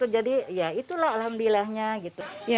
jadi itulah alhamdulillahnya